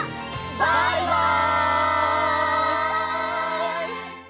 バイバイ！